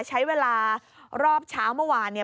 ใช้เวลารอบเช้าเมื่อวานเนี่ย